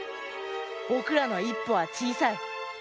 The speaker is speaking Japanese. ぼくらの一歩はちいさい。